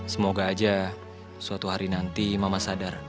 semoga aja suatu hari nanti mama sadar